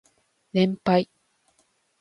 連敗